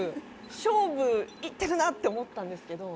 勝負いってるなって思ったんですけど。